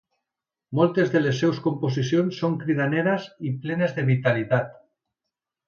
Moltes de les seues composicions són cridaneres i plenes de vitalitat.